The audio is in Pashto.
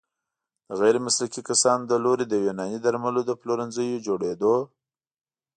د غیرمسلکي کسانو له لوري د يوناني درملو د پلورنځيو جوړیدو